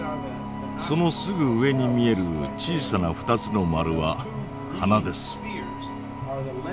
そのすぐ上に見える小さな２つの丸は鼻です。